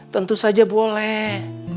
tentu saja boleh